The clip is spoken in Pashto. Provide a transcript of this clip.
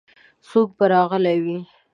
څوک به راغلي وي؟